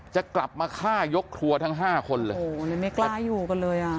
จะกลับมาฆ่ายกครัวทั้งห้าคนเลยโอ้โหเลยไม่กล้าอยู่กันเลยอ่ะ